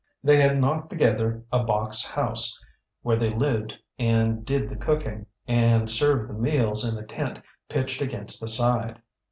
They had knocked together a box house, where they lived and did the cooking, and served the meals in a tent pitched against the side.